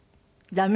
駄目？